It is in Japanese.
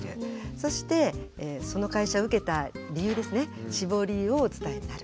そしてその会社を受けた理由ですね志望理由をお伝えになる。